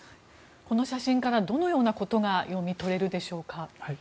この写真からどのようなことが読み取れるでしょうか。